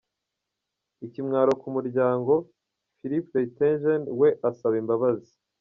Ikimwaro ku muryango, Filip Reyntjens we asaba imbabazi